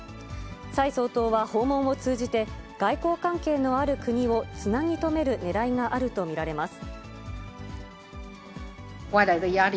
蔡総統は訪問を通じて、外交関係のある国をつなぎ止めるねらいがあると見られます。